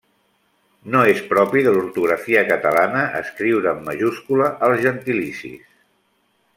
No és propi de l'ortografia catalana escriure amb majúscula els gentilicis.